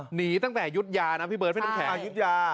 หนีตั้งแต่ยุธยานะพี่เบิร์ดพี่น้ำแข็งอายุทยา